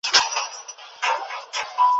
نه به ډزي وي، نه لاس د چا په وینو